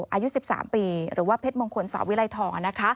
อายุ๑๓ปีหรือว่าเพชรมงคลสาวิลัยทอง